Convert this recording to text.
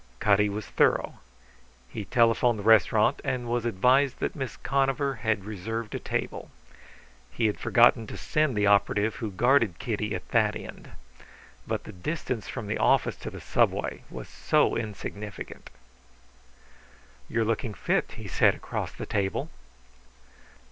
Cutty was thorough. He telephoned the restaurant and was advised that Miss Conover had reserved a table. He had forgotten to send down the operative who guarded Kitty at that end. But the distance from the office to the Subway was so insignificant! "You are looking fit," he said across the table.